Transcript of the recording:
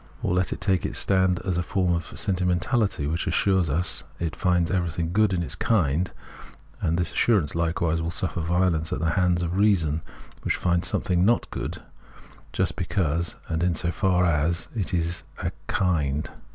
Or let it take its stand as a form of sentii mentahty which assures us it finds everything good in its kind, and this assurance likewise will suffer violence at the hands of reason, which finds some thing not good just because and in so far as it is a kind.